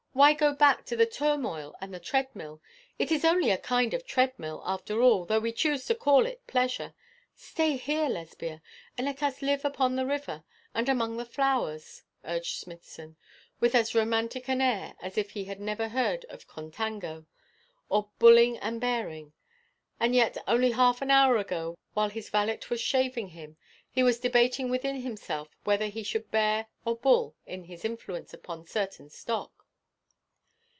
Why go back to the turmoil and the treadmill? It is only a kind of treadmill, after all, though we choose to call it pleasure. Stay here, Lesbia, and let us live upon the river, and among the flowers,' urged Smithson, with as romantic an air as if he had never heard of contango, or bulling and bearing; and yet only half an hour ago, while his valet was shaving him, he was debating within himself whether he should be bear or bull in his influence upon certain stock.